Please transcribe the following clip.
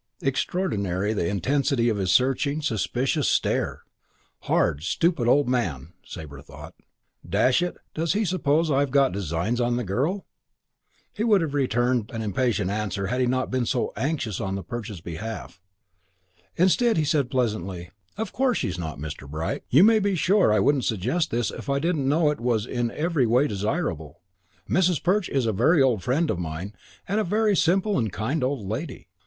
Extraordinary the intensity of his searching, suspicious stare! Hard, stupid old man, Sabre thought. "Dash it, does he suppose I've got designs on the girl?" He would have returned an impatient answer had he not been so anxious on the Perches' behalf. Instead he said pleasantly, "Of course she's not, Mr. Bright. You may be sure I wouldn't suggest this if I didn't know it was in every way desirable. Mrs. Perch is a very old friend of mine and a very simple and kind old lady.